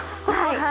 はい。